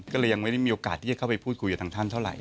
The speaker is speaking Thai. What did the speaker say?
ก็เลยยังไม่ได้มีโอกาสที่จะเข้าไปพูดคุยกับทางท่านเท่าไห